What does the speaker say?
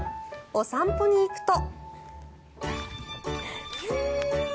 お散歩に行くと。